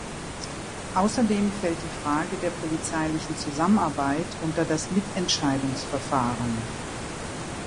Außerdem fällt die Frage der polizeilichen Zusammenarbeit unter das Mitentscheidungsverfahren.